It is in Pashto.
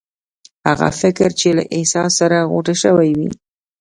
هغه فکر چې له احساس سره غوټه شوی وي.